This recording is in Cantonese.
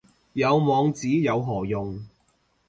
有網址有何用